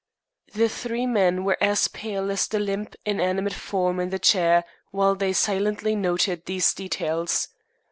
The three men were pale as the limp, inanimate form in the chair while they silently noted these details.